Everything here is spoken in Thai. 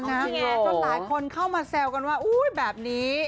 นี่ไงจนหลายคนเข้ามาแซวกันว่าอุ๊ยแบบนี้